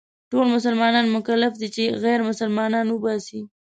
ټول مسلمانان مکلف دي چې غير مسلمانان وباسي.